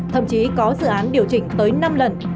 thậm chí có dự án điều chỉnh tới năm lần